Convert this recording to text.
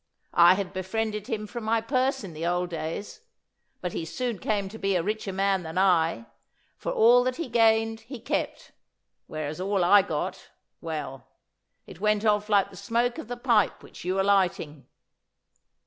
I had befriended him from my purse in the old days, but he soon came to be a richer man than I, for all that he gained he kept, whereas all I got well, it went off like the smoke of the pipe which you are lighting.